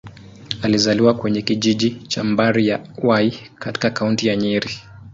Alizaliwa kwenye kijiji cha Mbari-ya-Hwai, katika Kaunti ya Nyeri.